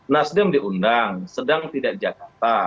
nasdem diundang sedang tidak jakarta